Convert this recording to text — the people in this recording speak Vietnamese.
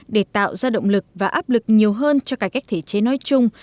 để tạo ra động lực và áp lực nhiều hơn cho cải cách thể chế nói chung